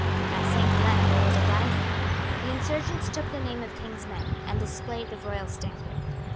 At Saint Helena there was a rising. The insurgents took the name of King's men, and displayed the royal standard.